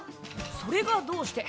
それがどうして。